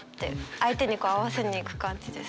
相手にこう合わせにいく感じですかね。